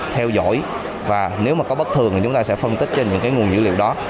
theo dõi và nếu mà có bất thường thì chúng ta sẽ phân tích trên những cái nguồn dữ liệu đó